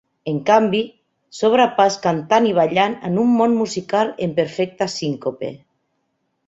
En canvi, s'obre pas cantant i ballant en un món musical en perfecta síncope.